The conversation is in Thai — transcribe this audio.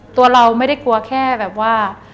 ตัวเราไม่ได้กลัวแค่แบบว่า